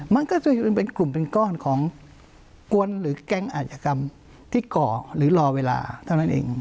มันก็จะเป็นกลุ่มเป็นก้อนของกวนหรือแก๊งอาชกรรมที่ก่อหรือรอเวลาเท่านั้นเอง